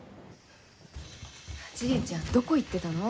じいちゃんどこ行ってたの？